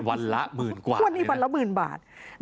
วันละหมื่นบาทใช่ไหมคะวันนี้วันละหมื่นบาท